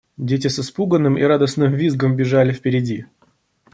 Дети с испуганным и радостным визгом бежали впереди.